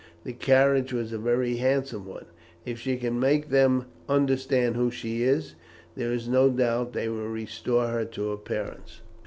The carriage was a very handsome one. If she can make them understand who she is, there is no doubt they will restore her to her parents."